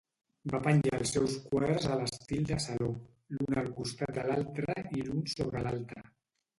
Va penjar els seus quadres a l'estil de saló, l'un al costat de l'altre i l'un sobre l'altre.